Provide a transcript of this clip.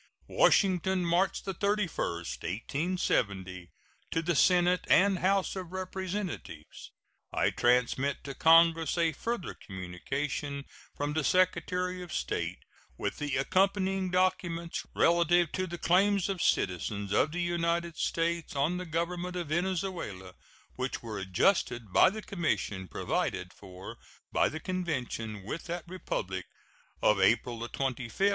WASHINGTON, March 31, 1870. To the Senate and House of Representatives: I transmit to Congress a further communication from the Secretary of State, with the accompanying documents, relative to the claims of citizens of the United States on the Government of Venezuela which were adjusted by the commission provided for by the convention with that Republic of April 25, 1866.